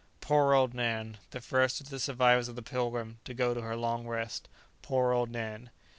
Poor old Nan! the first of the survivors of the "Pilgrim" to go to her long rest! Poor old Nan!